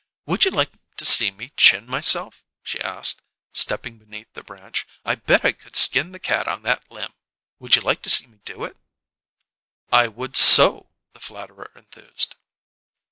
"Would you like to see me chin myself?" she asked, stepping beneath the branch. "I bet I could skin the cat on that limb! Would you like to see me do it?" "I would so!" the flatterer enthused.